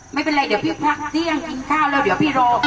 ไม่เป็นไรเดี๋ยวพี่พักเที่ยงกินข้าวแล้วเดี๋ยวพี่รอ